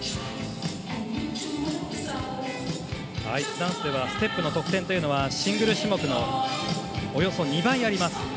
アイスダンスではステップの得点というのはシングル種目のおよそ２倍あります。